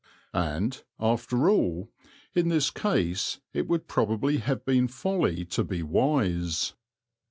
And, after all, in this case it would probably have been folly to be wise.